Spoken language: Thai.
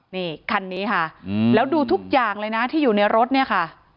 นี่คันนี้ค่ะแล้วดูทุกอย่างเลยนะที่อยู่ในรถเนี่ยค่ะ